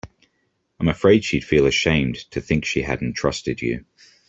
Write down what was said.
I'm afraid she'd feel ashamed to think she hadn't trusted you.